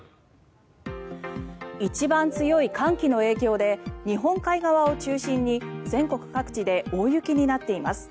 一番強い寒気の影響で日本海側を中心に全国各地で大雪になっています。